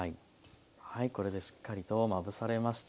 はいこれでしっかりとまぶされました。